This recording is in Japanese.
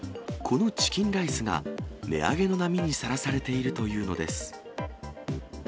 このチキンライスが、値上げの波にさらされているというのです。